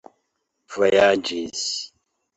vojaĝis